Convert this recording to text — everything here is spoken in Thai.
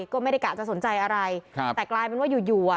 ก็ไม่ได้กะจะสนใจอะไรครับแต่กลายเป็นว่าอยู่อยู่อ่ะ